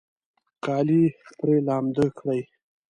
کالي پرې لامده کړئ